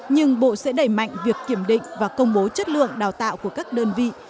nhưng bộ sẽ đẩy mạnh việc kiểm định và công bố chất lượng đào tạo của các đơn vị